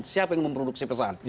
siapa yang memproduksi pesan